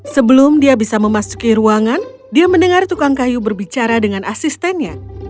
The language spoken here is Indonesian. sebelum dia bisa memasuki ruangan dia mendengar tukang kayu berbicara dengan asistennya